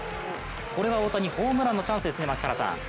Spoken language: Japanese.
これは大谷、ホームランのチャンスですね、槙原さん。